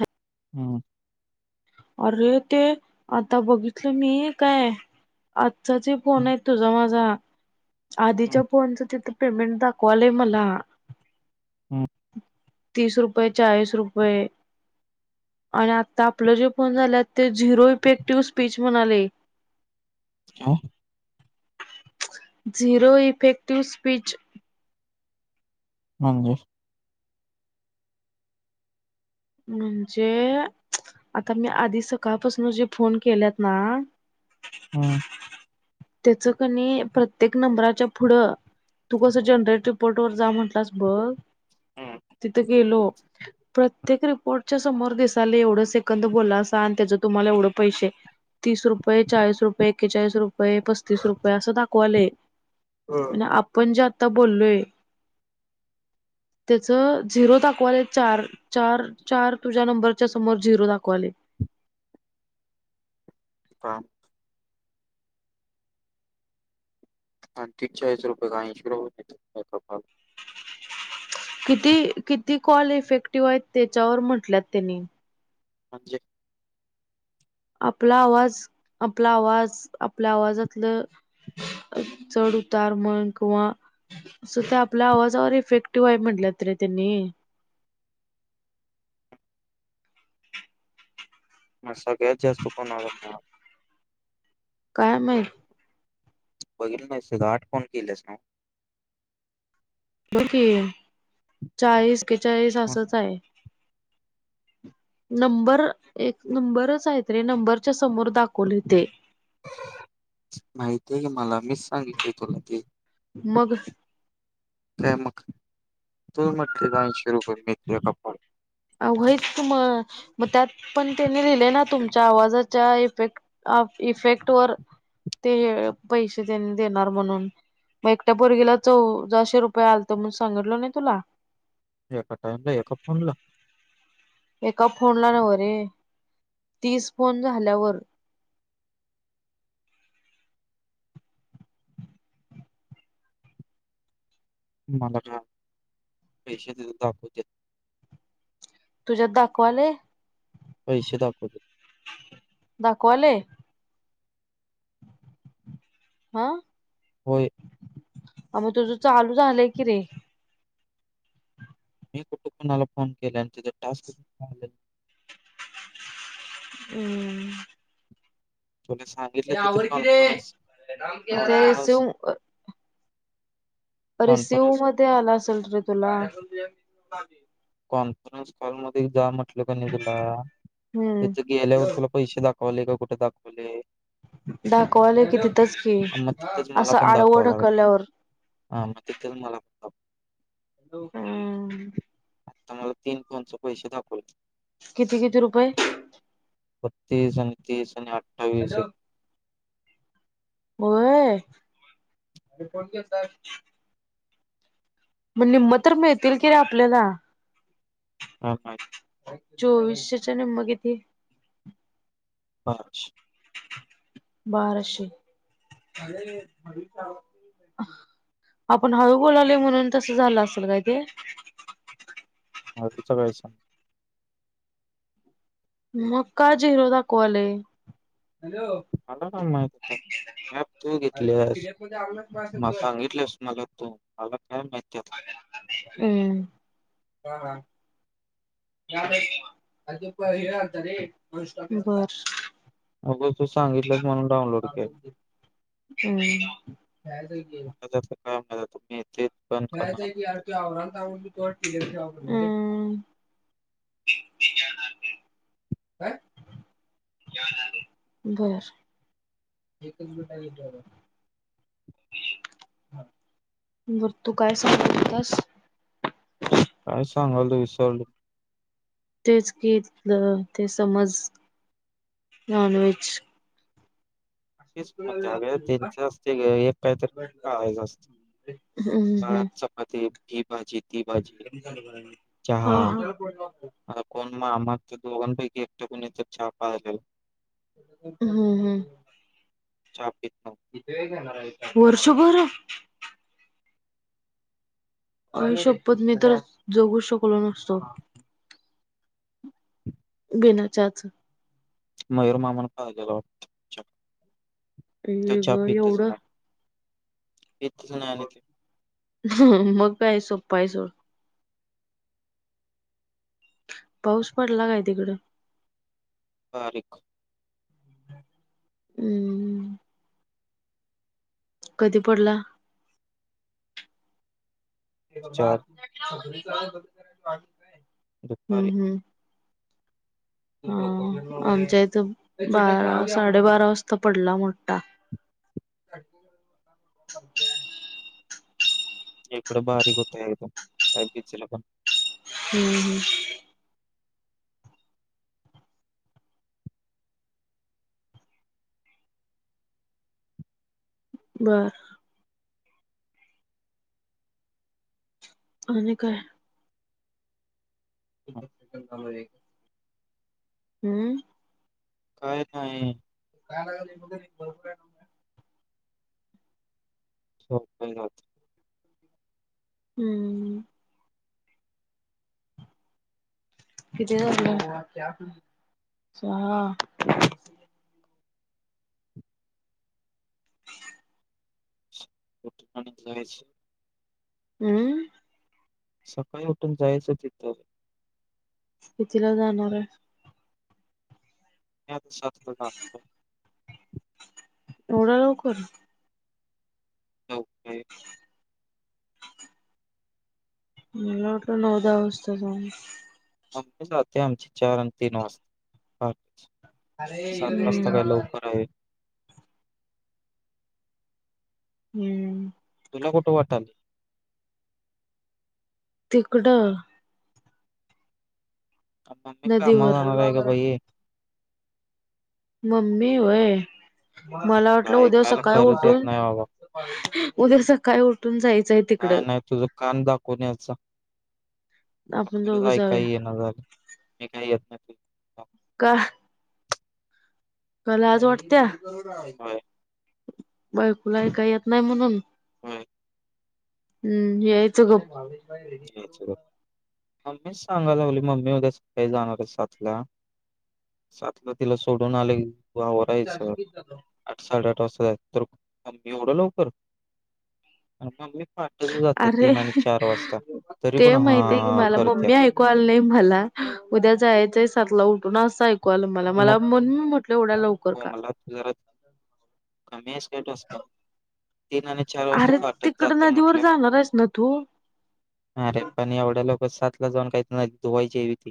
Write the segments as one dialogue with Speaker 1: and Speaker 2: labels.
Speaker 1: हा.
Speaker 2: हम
Speaker 1: अरे ते, आता बघितलं मी काय आ. [unintelligible] फोन
Speaker 2: हं,
Speaker 1: आहेत तुझा माझा आधीच्या
Speaker 2: हं,
Speaker 1: फोनच तिथं. पेमेंट दा कवालेय मला.
Speaker 2: हम्
Speaker 1: तीस रुपये, चाळीस रुपये, आणि आता आपलं जे. फण झाल्यात ते झिरो इफेक्टिव्ह स्पीच म्हणाले.
Speaker 2: काय
Speaker 1: झरो इफेक्ट टू स्पीच.
Speaker 2: म्हजे
Speaker 1: म्हणजे आता मी, आधी सकाळपासून जे फोन केलेत ना.
Speaker 2: हम्
Speaker 1: त्याच कनी प्रत्येक नंबराच्या पुढं तू कसं जनरेट रिपोर्ट वर जा, म्हटलास बघ
Speaker 2: हं,
Speaker 1: तिथं गेलो प्रत्येक रिपोर्टच्या समोर दिसाल एवढं सेकंद बोलासा आणि त्याच तुम्हाला, एवढं पैसे तीस रुपये चाळीस रुपये, एक्केचाळीस रुपये. होय पस्तीस रुपये असं दाखवाले,
Speaker 2: हं.
Speaker 1: आणि आपण जे आता बोललोय त्याच झिरो दाखवाले चार चार चार तुझ्या नंबरच्या समोर झिरो दाखवाले.
Speaker 2: काम आठेचाळीस रुपये [unintelligible]
Speaker 1: किती किती कॉल इफेक्टिव्ह आहेत. त्याच्यावर म्हटल्यात त्यांनी.
Speaker 2: म्हमजे
Speaker 1: आपला आवाज आपला आवाज आपल्या आवाजातलं चढ उतार म्हण किंवा अस त्या आपल्या आवाजावर इफेक्टिव्ह आहे. म्हटलं त रे त्यांनी.
Speaker 2: मग सगळ्यात जास्त कोणाला मिळालं.
Speaker 1: काय माहित
Speaker 2: बघितल नाहीस का आठ फोन केलेस ना.
Speaker 1: की चाळीस एक्केचाळीस
Speaker 2: मग
Speaker 1: असच आहे. नंबर एक
Speaker 2: तू-
Speaker 1: नंबरच आहेत. अरे नंबरच्या समोर दाखवली ते
Speaker 2: माहिती आहे ग मला. मीच सांगितले तुला ते.
Speaker 1: मग
Speaker 2: का मग तु म्हटली दोनशे रुपये मिळले का फोन
Speaker 1: व्हयच मग मग त्यात पण त्यांनी लिहिले ना तुमच्या आवाजाच्या इफेट इफेक्ट वर ते पैसे त्यांनी देणार म्हणून मग एकट्या पोरगीला चौदाशे रुपये आलत म्हणून सांगितल नाही तुला.
Speaker 2: एका टाइमला एका फोनला
Speaker 1: एका फोनला नव रे तीस फोन झाल्यावर.
Speaker 2: मला का पैशे तिथे दाखवत्यात.
Speaker 1: तुझ्यात दाखवाले.
Speaker 2: पैसे दाखवतात.
Speaker 1: दाखवायले हा
Speaker 2: होय
Speaker 1: अ मग तुझं चालू झालंय की रे.
Speaker 2: मी कुटु कुणाला फोन केला आणि तिथे टास्क
Speaker 1: हम्म
Speaker 2: तुला सांगितलं तिथं
Speaker 1: आवर कि रे.
Speaker 2: कॉन्फरन्स,
Speaker 1: अरे थांब की
Speaker 2: कॉन्फरन्स,
Speaker 1: जरा. रिसीव
Speaker 2: कॉन्फरन्स
Speaker 1: मध्ये आला असल रे तुला.
Speaker 2: कॉन्फरन्स हॉलमध्ये जा तुला कि नाही तुला
Speaker 1: हम्म
Speaker 2: तिथ गेल्यावर तुला पैसे दा होलीका कुठे दाखवली आहे.
Speaker 1: दाखवाले किती
Speaker 2: मग तिथेच मला पण दाखवा लागल
Speaker 1: ढकलल्यावर
Speaker 2: ह मग तिथच मला पण दाख
Speaker 1: हम्म
Speaker 2: आता मला तीन फोनचे पैसे दाखवल.
Speaker 1: किती किती रुपये
Speaker 2: बत्तीस आणि तीस आणि आठ [unintelligible]
Speaker 1: होय मग निम्म तर मिळतील की रे आपल्याला.
Speaker 2: [unintelligible]
Speaker 1: चोवीसशेच्या निम्म किती?
Speaker 2: [unintelligible]
Speaker 1: बाराशे, आपण हळू बोलाले म्हणून तस झालं असेल काय ते.
Speaker 2: हा ते चघळायच.
Speaker 1: मका झीरो दाखवायले.
Speaker 2: मला का माहती कॅब तू घेतलीस म सांगितलेस मला तू मला कॅब माहिती
Speaker 1: हम्म अजप हेत रेॉ
Speaker 2: अगं तू सांगितलं म्हणून डाउनलोड केल.
Speaker 1: हम्म
Speaker 2: का मजा तुम्ही
Speaker 1: काय कीर क आव्हणताले हम् काय बरं बरं तू काय सांगाल तास.
Speaker 2: काय सांगाल तो विसरलो.
Speaker 1: तेच गीत जह ते समज नॉनवेज
Speaker 2: [unintelligible]
Speaker 1: हम्म हम्म.
Speaker 2: ठीक पाजी
Speaker 1: हा हा
Speaker 2: आता कोण मामा त्या दोघांनापैकी एकटा कोण तर चहा पाण्याचा.
Speaker 1: हम्म हम्म
Speaker 2: चहा पी
Speaker 1: वर्षभर आई शप्पथ मी तर जगू शकलो नसतो. बिना चहा च
Speaker 2: मयुर मामा पाहिजे राव
Speaker 1: आई ग एवढं
Speaker 2: येताच नाही आणि तो
Speaker 1: हम मग काय सोप हाय सोड पाऊस पडला काय तिकड
Speaker 2: बारीक
Speaker 1: हम्म कधी पडला. हे
Speaker 2: चार
Speaker 1: भगवान [unintelligible]
Speaker 2: दपारी
Speaker 1: हा आमच्या इथं बारा साडेबारा वाजता पडला. मोठा
Speaker 2: इकडे भारी होतंय एकदम काय बीचला पण
Speaker 1: हम्म हम्म बरं आणि काय
Speaker 2: नाही.
Speaker 1: [unintelligible] हम्म
Speaker 2: काय नाही
Speaker 1: [unintelligible]
Speaker 2: हो धन्यवाद
Speaker 1: हम्म किती वाजलं? चहा.
Speaker 2: [unintelligible]
Speaker 1: अम्म
Speaker 2: सकाळी उठून जायचं चितं.
Speaker 1: कितीला जाणाराय?
Speaker 2: [unintelligible]
Speaker 1: एवड्या लवकर?
Speaker 2: [unintelligible]
Speaker 1: मला वाटं नऊ दहा वासतं जाणाइस.
Speaker 2: मम्मी जात्या आमची चार आणि तीन वाजता. पहाटचं. सात वाजता काय लवकर आहे.
Speaker 1: हम्म.
Speaker 2: तूला कुटं वाटालंय?
Speaker 1: तिकडं.
Speaker 2: मम्मी कामावर
Speaker 1: नदीवर
Speaker 2: जाणार हाय ग बाई.
Speaker 1: मम्मी होय. मला वाटलं
Speaker 2: तुला
Speaker 1: उद्या
Speaker 2: ऐकायला
Speaker 1: सकाळी
Speaker 2: खरंच येत
Speaker 1: उठून,
Speaker 2: नाही बाबा.
Speaker 1: उद्या सकाळी उठून जायचंय तिकडं.
Speaker 2: नाही नाही तुझं कान दाखवून यायचा. तुला
Speaker 1: आपण
Speaker 2: खरच
Speaker 1: दोघं
Speaker 2: ऐकायला
Speaker 1: जाऊया
Speaker 2: येन झालं, मी काय येत नाही. तुला.
Speaker 1: का? का लाज वाटत्या?
Speaker 2: होय
Speaker 1: [unintelligible] बायकुला ऐकाय येत नाही म्हणून.
Speaker 2: व्हय
Speaker 1: हम्म यायचं गप्प.
Speaker 2: [unintelligible] म मीच सांगा लागलोय मम्मी उद्या सकाळीं जाणार आय सातला, सातला तिला सोडून आलं की. व आवरायचं, आठ साडे आठ. तसाय तर मी एवढ्या लवकर? [unintelligible] पहाटेचं जात्या
Speaker 1: अरे
Speaker 2: तीन आणि चार वाजता. तरी
Speaker 1: ते
Speaker 2: पण
Speaker 1: माहितय की
Speaker 2: हां
Speaker 1: मला.
Speaker 2: करत्या.
Speaker 1: मम्मी ऐकू आलं नाही मला. उद्या जायचंय सातला उठ पुन्हा असं आय कू आलं मला.
Speaker 2: मग
Speaker 1: मला मनून म्हटलं एवढ्या लवकर
Speaker 2: हो
Speaker 1: का?
Speaker 2: मला जरा कमी आहेस काय ठोसक्याने? तीन आणि चार वाजता
Speaker 1: अरे
Speaker 2: पाहटचं
Speaker 1: तिकड
Speaker 2: जात्या
Speaker 1: नदीवर
Speaker 2: म्हटल्या.
Speaker 1: जाणार आहेस ना तू
Speaker 2: आरे पण एवढ्या लवक सात ला जाऊन काय न दुवायची हाय वय ती.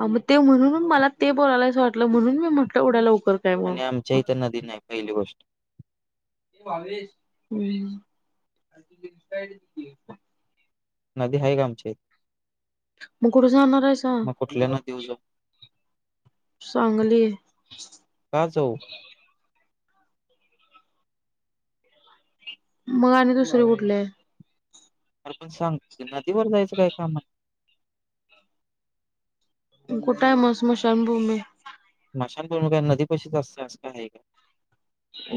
Speaker 1: आ म ते म्हणून मला ते बोलायलायस वाटलं, म्हणून मी म्हटलं एवढ्या लवक तर काय म?
Speaker 2: आणि आमच्या इथं नदी नाही पहिली गोष्ट
Speaker 1: [unintelligible]
Speaker 2: नदी हाय ग आमची.
Speaker 1: म कुठ जाणार हाईसा?
Speaker 2: कुठल्या नदीवर जाऊ
Speaker 1: सांगली.
Speaker 2: का जाऊ
Speaker 1: म आणि दुसरे कुठले?
Speaker 2: अर पण सांग ते नदीवर जायचं काय काम हाय?
Speaker 1: कुठं हाय म स्मशानभूमी?
Speaker 2: स्मशानभूमी काय नदी पशीच असत्या असं काय हाय का?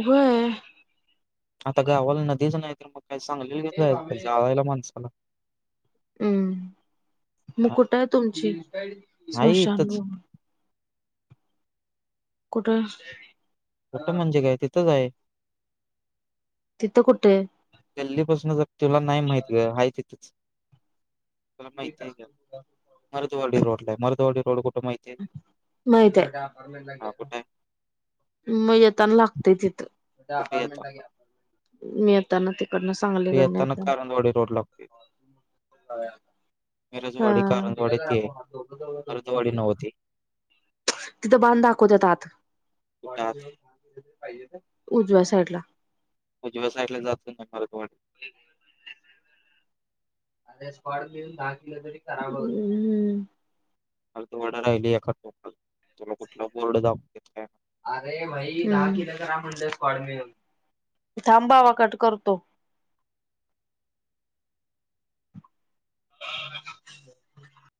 Speaker 1: व्हय.
Speaker 2: आता गावाला नदिच नाही त मगं? काय सांगलील घेऊन जायचं जाळायला माणसाला?
Speaker 1: हम्म म
Speaker 2: हा
Speaker 1: कुट हाये तुमची
Speaker 2: आहे इथंच
Speaker 1: स्मशानभूमी? कुठं?
Speaker 2: कुठं म्हंजे काय? ते तच आहे.
Speaker 1: तिथं कुठंय.?
Speaker 2: गल्लीपासन ज तुला नाई माहिती ग हाय तिथंच. तुला माहिती हाय का? मरोतवाडी रोड ला हाय मारोतवाडी थोड [unintelligible]
Speaker 1: माहीती
Speaker 2: हा
Speaker 1: आहे.
Speaker 2: कुठे आहे?
Speaker 1: म येताना लागतंय तिथं.
Speaker 2: कुठे येताना?
Speaker 1: मी येताना ते कडन सांगली
Speaker 2: ते
Speaker 1: कडन येताना
Speaker 2: कारंजवाडी रोड लागते. मिरजवाडी,
Speaker 1: हां
Speaker 2: कारंजवाडी ते आहे. मरुदवाडी नव्ह ते.
Speaker 1: [unintelligible] तिथं बाण दाखवत्यात आत. [unintelligible]
Speaker 2: कुठं आत
Speaker 1: पाहिजेत. उजव्या साईड ला.
Speaker 2: उजव्या साइडला जात [unintelligible]
Speaker 1: [inaudible] आता हे स्कॉट बिल दाखलं तरी करावं हम्म.
Speaker 2: [unintelligible] राहिली एका [unintelligible] तुला कुठला बोर्ड [unintelligible]
Speaker 1: [unintelligible] थांबावा कट करतो. [unintelligible]